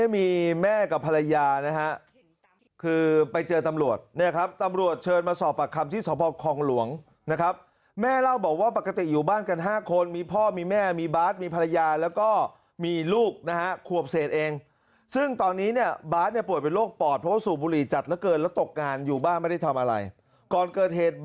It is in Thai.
มีแม่กับภรรยานะฮะคือไปเจอตำรวจเนี่ยครับตำรวจเชิญมาสอบปากคำที่สพคองหลวงนะครับแม่เล่าบอกว่าปกติอยู่บ้านกัน๕คนมีพ่อมีแม่มีบาสมีภรรยาแล้วก็มีลูกนะฮะขวบเศษเองซึ่งตอนนี้เนี่ยบาสเนี่ยป่วยเป็นโรคปอดเพราะว่าสูบบุหรี่จัดเหลือเกินแล้วตกงานอยู่บ้านไม่ได้ทำอะไรก่อนเกิดเหตุบ